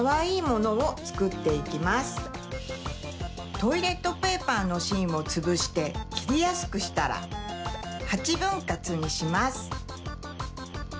トイレットペーパーのしんをつぶしてきりやすくしたら８ぶんかつにします。